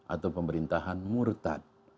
atau pemerintahan murtad